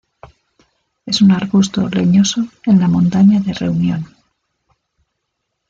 Es un arbusto leñoso en la montaña de Reunión.